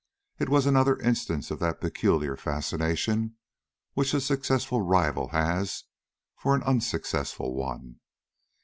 It was another instance of that peculiar fascination which a successful rival has for an unsuccessful one.